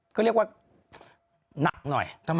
ก็เรียกว่าหนักหน่อย